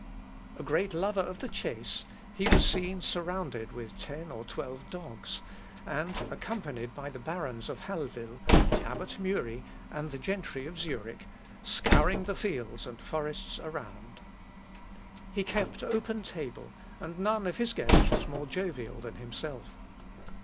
A great lover of the chace, he was seen surrounded with ten or twelve dogs, and accompanied by the barons of Hallwyll, the abbot Mury, and the gentry of Zurich, scouring the fields and forests around. He kept open table, and none of his guests was more jovial than himself.